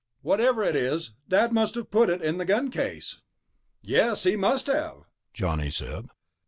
"Whatever it is, Dad must have put it in the gun case." "Yes, he must have," Johnny said.